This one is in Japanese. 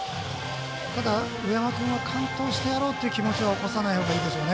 上山君は完投してやろうという気持ちは起こさないほうがいいですね。